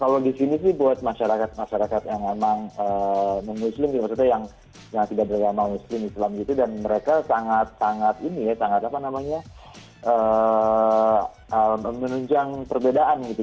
kalau di sini sih buat masyarakat masyarakat yang memang muslim yang tidak beragama muslim muslim gitu dan mereka sangat sangat menunjang perbedaan gitu